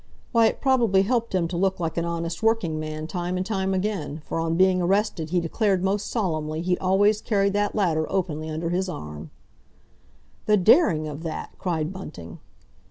Why, it probably helped him to look like an honest working man time and time again, for on being arrested he declared most solemnly he'd always carried that ladder openly under his arm." "The daring of that!" cried Bunting.